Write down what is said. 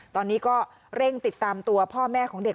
ตอนนี้ก็เร่งติดตามตัวพ่อแม่ของเด็ก